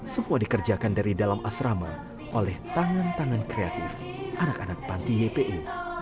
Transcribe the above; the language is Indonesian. semua dikerjakan dari dalam asrama oleh tangan tangan kreatif anak anak panti ypu